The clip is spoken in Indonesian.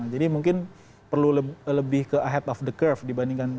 jadi mungkin perlu lebih ke ahead of the curve dibandingkan